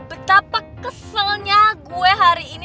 betapa keselnya gue hari ini